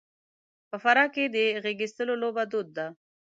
په فراه کې د غېږاېستلو لوبه دود ده.